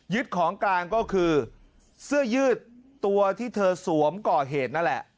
ของกลางก็คือเสื้อยืดตัวที่เธอสวมก่อเหตุนั่นแหละ